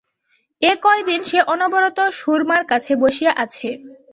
এ কয়দিন সে অনবরত সুরমার কাছে বসিয়া আছে।